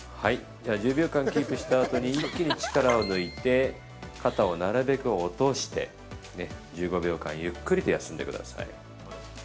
じゃあ１０秒間キープしたあとに一気に力を抜いて肩をなるべく落として１５秒間ゆっくりと休んでください。